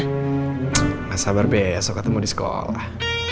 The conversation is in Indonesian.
nggak sabar besok ketemu di sekolah